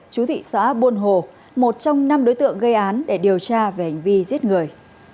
chú thị xã buôn hồ một trong năm đối tượng gây án để điều tra về hành vi giết người